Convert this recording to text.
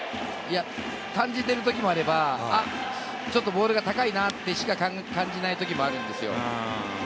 感じてるときもあれば、いや、ちょっとボールが高いなとしか感じないときもあるんです。